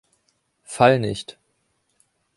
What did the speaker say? Fall nicht.